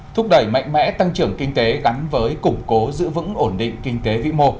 thúc đẩy mạnh mẽ tăng trưởng kinh tế gắn với củng cố giữ vững ổn định kinh tế vĩ mô